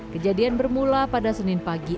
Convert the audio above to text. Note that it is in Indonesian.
kejadian bermula pada senin pagi